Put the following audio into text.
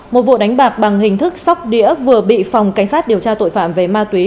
một vụ đánh bạc bằng hình thức sóc đĩa vừa bị phòng cảnh sát điều tra tội phạm về ma túy